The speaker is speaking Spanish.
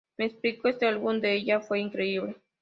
Me explico, ese álbum de ella fue increíble.